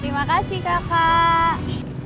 terima kasih kakak